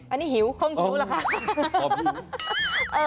อันนี้หิวคงรู้หรอคะ